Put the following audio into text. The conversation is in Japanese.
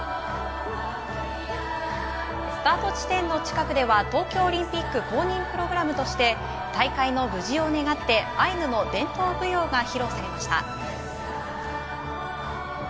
スタート地点の近くでは東京オリンピック公認プログラムとして、大会の無事を願って、アイヌの伝統舞踊が披露されました。